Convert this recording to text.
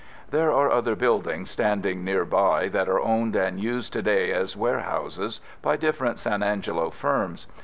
There are other fort buildings standing nearby that are owned and used today as warehouses by different San Angelo firms.